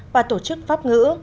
và tổ chức pháp ngữ